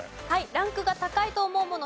ランクが高いと思うもの